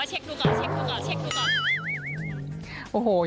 เช็คดูก่อน